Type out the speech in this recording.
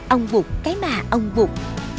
ông bụt cái mà ông bụt